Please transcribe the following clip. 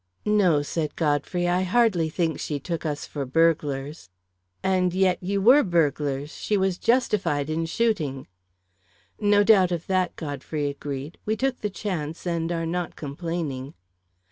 "No," said Godfrey, "I hardly think she took us for burglars." "And yet you were burglars she was justified in shooting." "No doubt of that," Godfrey agreed. "We took the chance, and are not complaining."